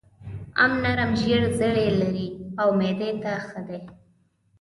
ام نرم زېړ زړي لري او معدې ته ښه ده.